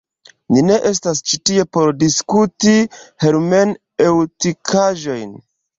Ni ne estas ĉi tie por diskuti hermeneŭtikaĵojn!